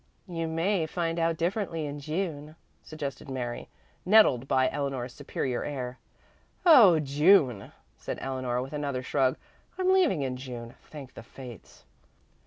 "You may find out differently in June," suggested Mary, nettled by Eleanor's superior air. "Oh, June!" said Eleanor with another shrug. "I'm leaving in June, thank the fates!"